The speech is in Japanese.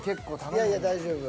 いやいや大丈夫。